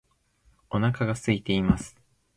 お腹が空いています